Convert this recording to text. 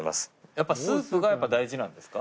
やっぱスープが大事なんですか？